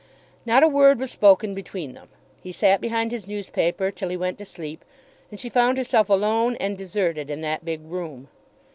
Not a word was spoken between them. He sat behind his newspaper till he went to sleep, and she found herself alone and deserted in that big room.